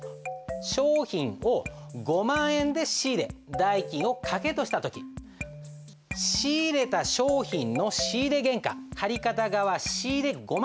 商品を５万円で仕入れ代金を掛けとした時仕入れた商品の仕入原価借方側仕入５万。